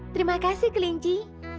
terima kasih klinci